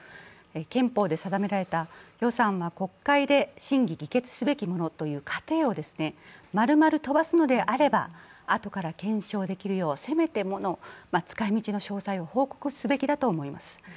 憲法で定められた、予算は国会で審議されるものということをまるまる飛ばすのであればあとから検証できるようせめてもの使い道の詳細を報告すべきだと思います。